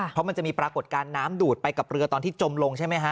เพราะมันจะมีปรากฏการณ์น้ำดูดไปกับเรือตอนที่จมลงใช่ไหมฮะ